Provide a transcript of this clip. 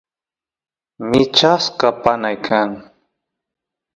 michasqa panay kan